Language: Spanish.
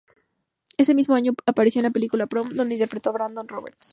Ese mismo año apareció en la película "Prom", donde interpretó a Brandon Roberts.